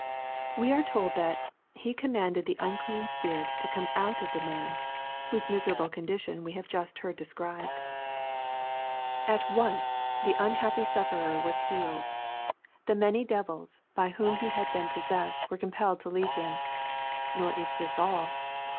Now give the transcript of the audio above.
We ixQ told that he " commanded the unclean spirit to come out of i e man," whose miserable condition we have just hea J described. At once the unhappy LUKE, CHAP. VIII. 269 siifferer was healed. The " many devils" by whom he had been possessed were compelled to leave him. Nor is this all.